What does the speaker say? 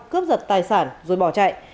cướp giật tài sản rồi bỏ chạy